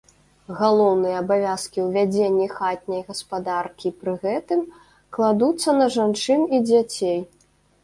Галоўныя абавязкі ў вядзенні хатняй гаспадаркі пры гэтым кладуцца на жанчын і дзяцей.